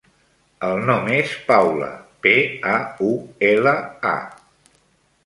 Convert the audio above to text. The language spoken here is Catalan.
El nom és Paula: pe, a, u, ela, a.